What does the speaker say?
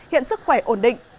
hiện sức khỏe ổn định